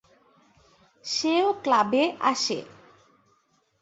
সেও ক্লাবে আসে।